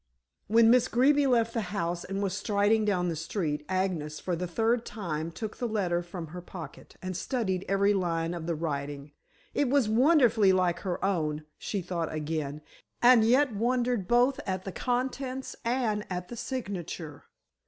When Miss Greeby left the house and was striding down the street, Agnes for the third time took the letter from her pocket and studied every line of the writing. It was wonderfully like her own, she thought again, and yet wondered both at the contents and at the signature.